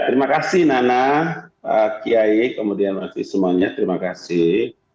terima kasih nana pak kiai kemudian waktu semuanya terima kasih